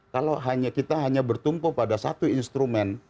kalau kita hanya bertumpu pada satu instrumen